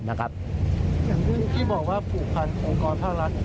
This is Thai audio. อย่างที่บอกว่าผูกพันองค์กรภาครัฐ